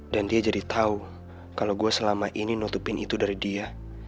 dan dia jadi tau kalau gue selama ini notepin itu dari dia